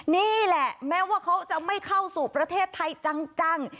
นี่แหละแม้ว่าเขาจะไม่เข้าสู่ประเทศไทยจัง